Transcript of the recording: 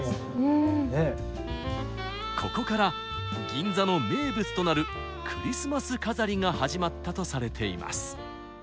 ここから銀座の名物となるクリスマス飾りが始まったとされています。